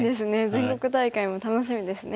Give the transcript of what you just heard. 全国大会も楽しみですね。